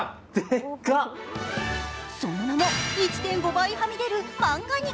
その名も、１．５倍はみ出るマンガ肉。